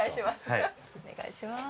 お願いします。